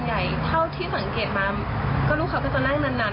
ส่วนใหญ่เท่าที่สังเกตมาลูกค้าก็จะนั่งนาน